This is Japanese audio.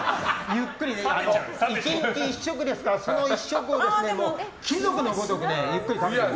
ゆっくりね、１日１食ですからその１食を貴族のごとくゆっくり食べてる。